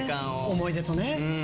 思い出とね。